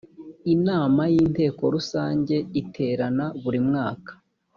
inama y ‘inteko rusange iterana burimwaka.